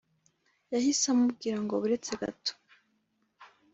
Yahise amubwira ngo buretse gato